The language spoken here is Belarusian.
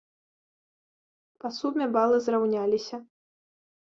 Па суме балы зраўняліся.